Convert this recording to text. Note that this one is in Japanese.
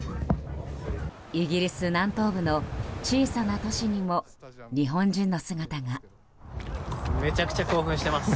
イギリス南東部の小さな都市にも日本人の姿が。